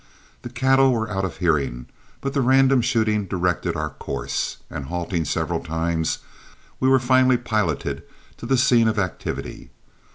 The cattle were out of hearing, but the random shooting directed our course, and halting several times, we were finally piloted to the scene of activity.